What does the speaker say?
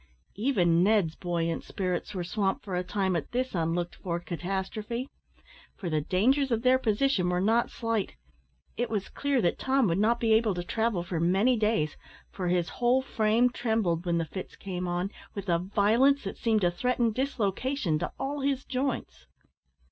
Even Ned's buoyant spirits were swamped for a time at this unlooked for catastrophe; for the dangers of their position were not slight. It was clear that Tom would not be able to travel for many days, for his whole frame trembled, when the fits came on, with a violence that seemed to threaten dislocation to all his joints.